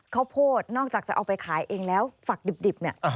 ข้าวโพดนอกจากจะเอาไปขายเองแล้วฝักดิบเนี่ย